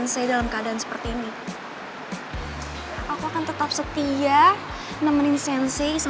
sampai jumpa di video selanjutnya